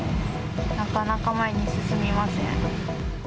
なかなか前に進みません。